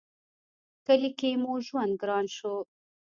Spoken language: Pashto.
کلي کې مو ژوند گران شو